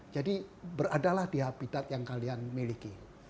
jadi beradalah di habitat yang kalian miliki